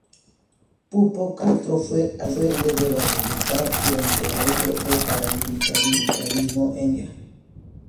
Pupo Castro fue alcalde de Valledupar, durante el auge del paramilitarismo en Colombia.